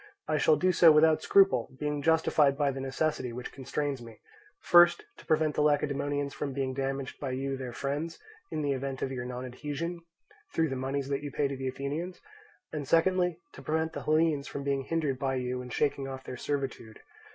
I shall do so without scruple, being justified by the necessity which constrains me, first, to prevent the Lacedaemonians from being damaged by you, their friends, in the event of your nonadhesion, through the moneys that you pay to the Athenians; and secondly, to prevent the Hellenes from being hindered by you in shaking off their servitude.